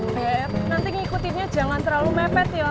pp nanti ngikutinnya jangan terlalu mepet ya